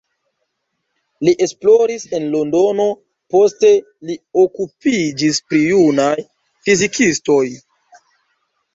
Li esploris en Londono, poste li okupiĝis pri junaj fizikistoj.